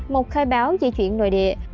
một khai báo di chuyển nội địa